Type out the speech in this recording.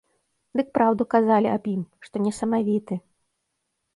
Дык праўду казалі аб ім, што не самавіты.